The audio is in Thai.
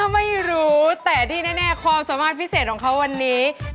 ไม่รู้แต่ที่แน่ความสามารถพิเศษของเขาวันนี้